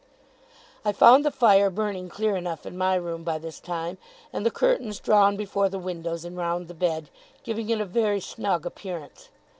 I found the fire burning clear enough in my room by this time, and the curtains drawn before the windows and round the bed, giving it a very snug appearance.